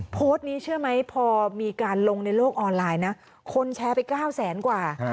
โพสต์นี้เชื่อไหมพอมีการลงในโลกออนไลน์นะคนแชร์ไป๙แสนกว่า